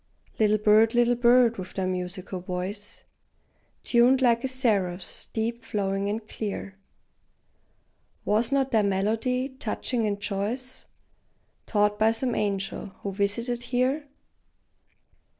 Little bird, little bird, with thy musical voice Tuned like a seraph's, deep, flowing, and clear, Was not thy melody, touching and choice, Taught by some angel, who visited here?